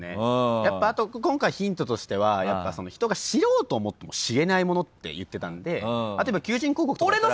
やっぱあと今回ヒントとしては人が知ろうと思っても知れないものって言ってたんで求人広告とかだったら。